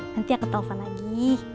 nanti aku telfon lagi